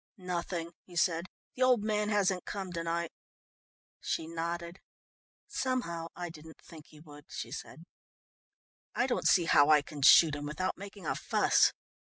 "Nothing," he said. "The old man hasn't come to night." She nodded. "Somehow I didn't think he would," she said. "I don't see how I can shoot him without making a fuss."